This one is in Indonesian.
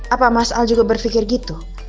apa mas al juga berpikir gitu